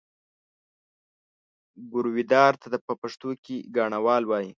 ګرويدار ته په پښتو کې ګاڼهوال وایي.